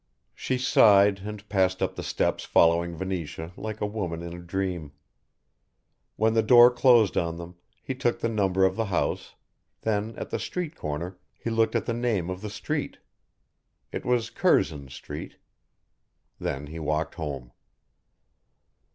She sighed and passed up the steps following Venetia like a woman in a dream. When the door closed on them he took the number of the house, then at the street corner he looked at the name of the street. It was Curzon street. Then he walked home.